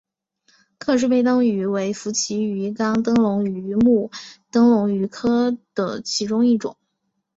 克氏背灯鱼为辐鳍鱼纲灯笼鱼目灯笼鱼科的其中一种。